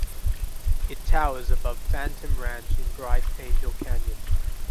It towers above Phantom Ranch in Bright Angel Canyon.